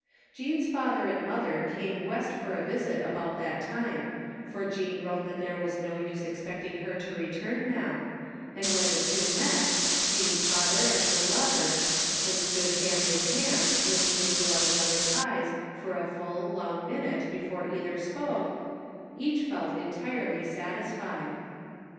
Jean's father and mother came west for a visit about that time, for Jean wrote that there was no use expecting her to return now, and when the two met, Jean's father and her lover, and stood hand in hand, looking into one another's eyes for a full, long minute before either spoke, each felt entirely satisfied.